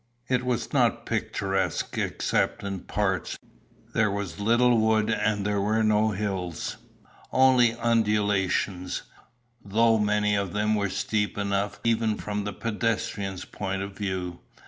It was not picturesque except in parts. There was little wood and there were no hills, only undulations, though many of them were steep enough even from a pedestrian's point of view.